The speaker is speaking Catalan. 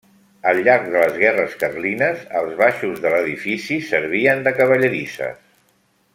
Al llarg de les guerres carlines els baixos de l'edifici servien de cavallerisses.